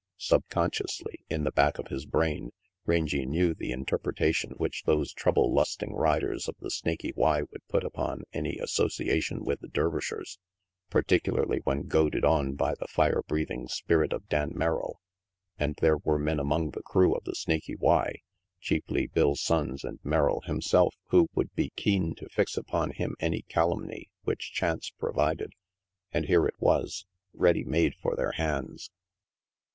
Subconsciously, in the back of his brain, Rangy knew the interpretation which those trouble lusting riders of the Snaky Y would put upon any associa tion with the Dervishers, particularly when goaded on by the fire breathing spirit of Dan Merrill, and there were men among the crew of the Snaky Y, chiefly Bill Sonnes and Merrill himself, who would be keen to fix upon him any calumny which chance provided. And here it was, ready made for their hands.